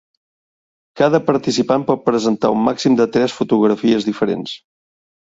Cada participant pot presentar un màxim de tres fotografies diferents.